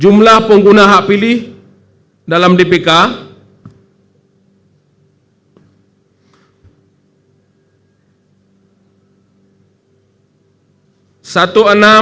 jumlah pengguna hak pilih dalam dpk